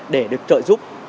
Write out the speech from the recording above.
để được trợ giúp